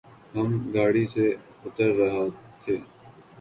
ہم گاڑی سے اتر رہ تھے